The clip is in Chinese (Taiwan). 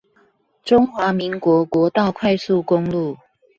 中華民國國道快速公路